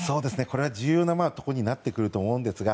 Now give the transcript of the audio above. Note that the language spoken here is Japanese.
これは重要なことになってくると思いますが